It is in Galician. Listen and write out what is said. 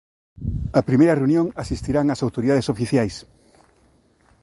Á primeira reunión asistirán as autoridades oficiais;